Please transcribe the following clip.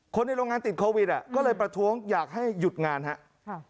ในโรงงานติดโควิดอ่ะก็เลยประท้วงอยากให้หยุดงานครับ